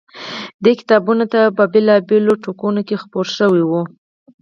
دې کتابونه په بېلا بېلو ټوکونوکې خپور شوی و.